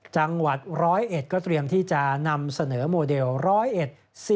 จังหวัดร้อยเอ็ดก็เตรียมที่จะนำเสนอโมเดลร้อยเอ็ด